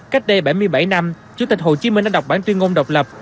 cách đây bảy mươi bảy năm chủ tịch hồ chí minh đã đọc bản tuyên ngôn độc lập